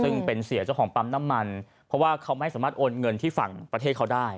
ซึ่งเป็นเสียเจ้าของปั๊มน้ำมันเพราะว่าเขาไม่สามารถโอนเงินที่ฝั่งประเทศเขาได้